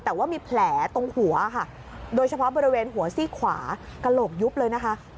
แต่ว่ามีแผลตรงหัวค่ะโดยเฉพาะบริเวณหัวซี่ขวากระโหลกยุบเลยนะคะ